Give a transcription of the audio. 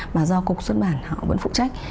mà do cục xuất bản họ vẫn phụ trách